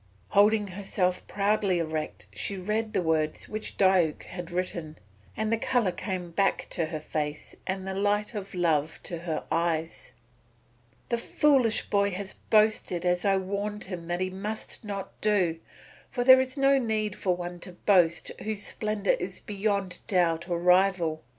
Holding herself proudly erect, she read the words which Diuk had written, and the colour came back to her face and the light of love to her eyes. "The foolish boy has boasted as I warned him that he must not do, for there is no need for one to boast whose splendour is beyond doubt or rival.